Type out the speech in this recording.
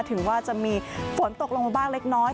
ถึงว่าจะมีฝนตกลงมาบ้างเล็กน้อย